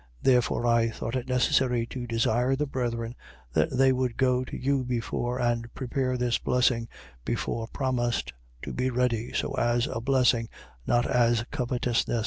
9:5. Therefore I thought it necessary to desire the brethren that they would go to you before and prepare this blessing before promised, to be ready, so as a blessing, not as covetousness.